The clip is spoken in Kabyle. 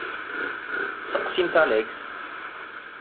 Seqsimt Alex.